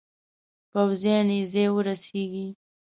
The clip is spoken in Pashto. پوځیان یې ځای ورسیږي.